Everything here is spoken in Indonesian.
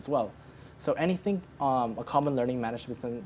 jadi apapun yang dilakukan oleh pengurusan pembelajaran